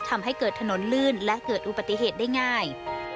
ทำให้เกิดถนนลื่นและเกิดอุบัติเหตุได้ง่าย